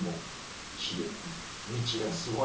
日蓮すごい。